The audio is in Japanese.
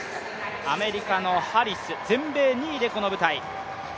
アメリカのハリス、全米２位でこの舞台。